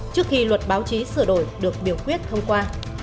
trước khi luật báo chí sửa đổi được biểu quyết thông qua